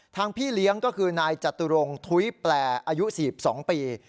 ทางพี่เลี้ยงก็คือนายจตุรงผู้แถวอายุสี่สองปี